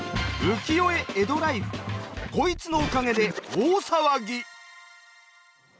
こいつのおかげで大騒ぎ！